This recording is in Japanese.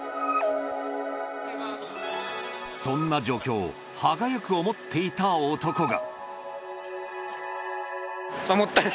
そんな状況を歯がゆく思っていた男が。